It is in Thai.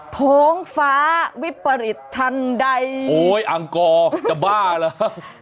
โทงฟ้าวิปริษฐัณฑ์ใดโอ้ยอังกอจะบ้าแล้ว